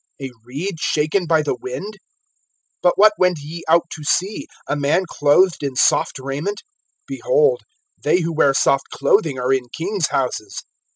A reed shaken by the wind? (8)But what went ye out to see? A man clothed in soft raiment? Behold, they who wear soft clothing are in king's houses.